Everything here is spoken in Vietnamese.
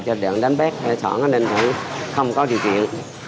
cho đoạn đánh bét thỏa ngân lên không có điều kiện